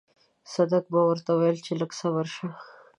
صدک به ورته ويل چې لږ صبر شه.